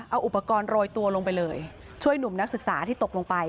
เอาอุปกรณ์โรยตัวลงไปเลยช่วยหนุ่มนักศึกษาที่ตกลงไป